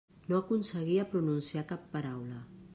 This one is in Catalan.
No aconseguia pronunciar cap paraula.